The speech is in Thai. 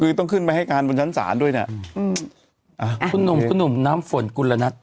คือต้องขึ้นไปให้การบนชั้นศาลด้วยเนี้ยอืมอ่าคุณหนุ่มคุณหนุ่มน้ำฝนกุลนัท